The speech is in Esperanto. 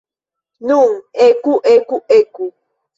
Nun eku, eku, eku!